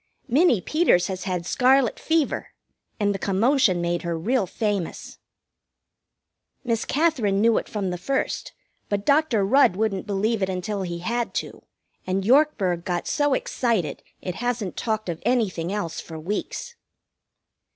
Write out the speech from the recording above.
Minnie Peters has had scarlet fever, and the commotion made her real famous. Miss Katherine knew it from the first, but Dr. Rudd wouldn't believe it until he had to, and Yorkburg got so excited it hasn't talked of anything else for weeks.